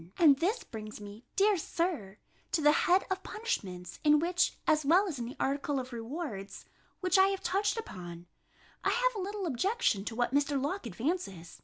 And this brings me, dear Sir, to the head of punishments, in which, as well as in the article of rewards, which I have touched upon, I have a little objection to what Mr. Locke advances.